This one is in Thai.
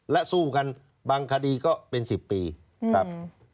และสู้กันบางคดีก็เป็น๑๐ปีครับ